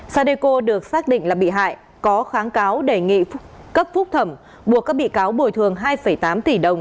sadeco được xác định là bị hại có kháng cáo đề nghị cấp phúc thẩm buộc các bị cáo bồi thường hai tám tỷ đồng